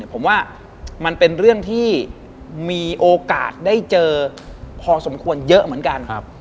ผมว่ามันเป็นเรื่องที่มีโอกาสได้เจอพอสมควรเยอะเหมือนกัน